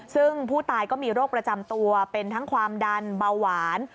ซึ่งผู้ตายก็มีโรคประจำตัวเป็นทั้งความดันเบาหวาน